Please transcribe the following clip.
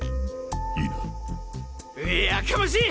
いいな。やかましい！